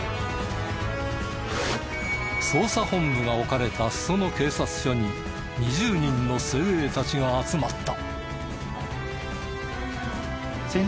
捜査本部が置かれた裾野警察署に２０人の精鋭たちが集まった。